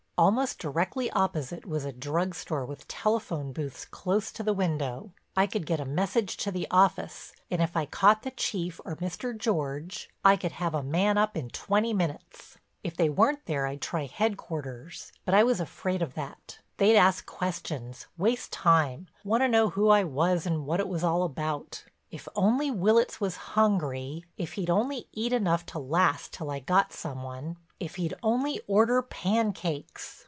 Almost directly opposite was a drug store with telephone booths close to the window. I could get a message to the office, and if I caught the chief or Mr. George, I could have a man up in twenty minutes. If they weren't there I'd try headquarters, but I was afraid of that—they'd ask questions, waste time, want to know who I was and what it was all about. If only Willitts was hungry, if he'd only eat enough to last till I got some one, if he'd only order pancakes.